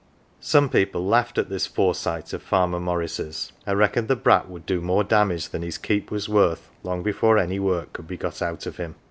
Some people laughed at this foresight of Farmer Morris's, and reckoned the brat would do more damage than his keep was worth long before any work could be got out of him.